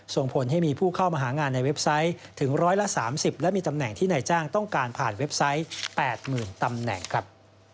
ส่งผลให้มีผู้เข้ามาหางานในเว็บไซต์ถึง๑๓๐และมีตำแหน่งที่นายจ้างต้องการผ่านเว็บไซต์๘๐๐๐ตำแหน่งครับ